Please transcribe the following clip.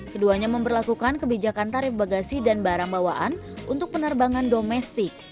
keduanya memperlakukan kebijakan tarif bagasi dan barang bawaan untuk penerbangan domestik